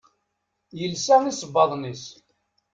Yelsa isebbaḍen-is.